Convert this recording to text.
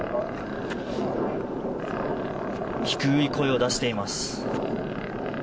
低い声を出しています。